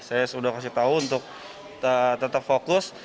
saya sudah kasih tahu untuk tetap fokus